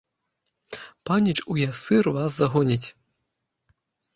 Паніч ў ясыр вас загоніць!